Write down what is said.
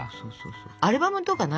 アルバムとかない？